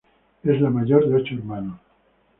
Es la mayor de ocho hermanos.